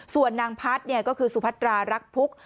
ส่วนนางพัฒน์ก็คือสุพัตรารักพุก